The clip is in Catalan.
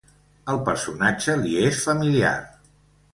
El personatge li és familiar.